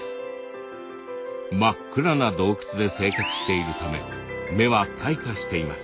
真っ暗な洞窟で生活しているため目は退化しています。